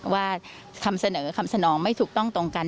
ว่าคำเสนอคำสนองไม่ถูกต้องตรงกัน